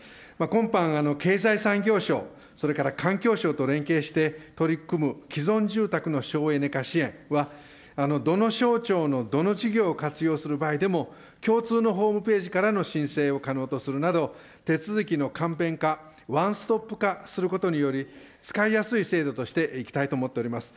今般、経済産業省、それから環境省と連携して、取り組む既存住宅の省エネ化支援は、どの省庁のどの事業を活用する場合でも、共通のホームページからの申請を可能とするなど、手続きの簡便化、ワンストップ化することにより、使いやすい制度としていきたいと思っております。